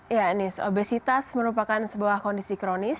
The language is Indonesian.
ya nis obesitas merupakan sebuah kondisi kronis